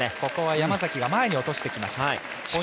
山崎が前に落としてきました。